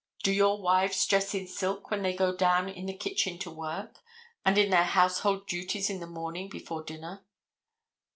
Do your wives dress in silk when they go down in the kitchen to work, and in their household duties in the morning before dinner?